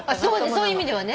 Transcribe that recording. そういう意味ではね。